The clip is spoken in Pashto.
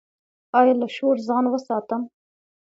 ایا له شور ځان وساتم؟